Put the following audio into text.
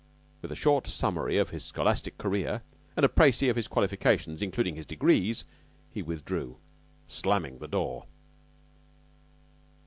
With a short summary of his scholastic career, and a precis of his qualifications, including his degrees, he withdrew, slamming the door.